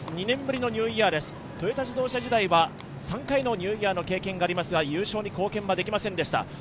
２年ぶりのニューイヤーです、トヨタ自動車時代は３回のニューイヤーの経験がありますが、優勝に貢献できませんでした